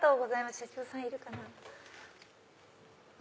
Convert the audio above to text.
社長さんいるかな。